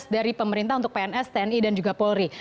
dari pemerintah untuk pns tni dan juga polri